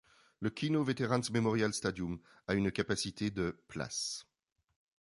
Le Kino Veterans Memorial Stadium a une capacité de places.